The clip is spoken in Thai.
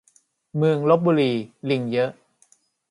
เมืองลพบุรีลิงเยอะ